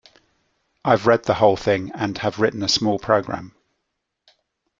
I've read the whole thing and have written a small program.